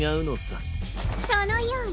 そのようね。